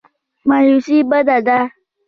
مایوسي بده ده.